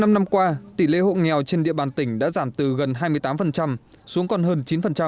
trong năm năm qua tỷ lệ hộ nghèo trên địa bàn tỉnh đã giảm từ gần hai mươi tám xuống còn hơn chín